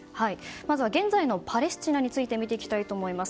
まず現在のパレスチナについて見ていきたいと思います。